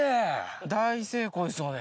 大成功ですよね